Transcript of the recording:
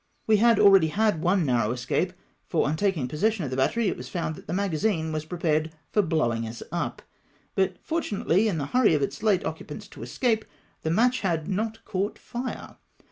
We had already had one narrow escape, for on taldng possession of the battery it was found that the magazine was prepared for blowing us up, but fortunately, in the hurry of its late occupants to escape, the match had not caught fire.